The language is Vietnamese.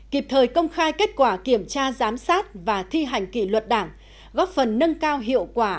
kịp thời công khai kết quả kiểm tra giám sát và thi hành kỷ luật đảng góp phần nâng cao hiệu quả